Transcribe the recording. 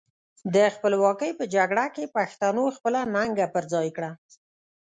د خپلواکۍ په جګړه کې پښتنو خپله ننګه پر خای کړه.